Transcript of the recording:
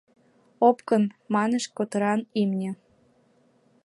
— Опкын, — манеш котыран имне.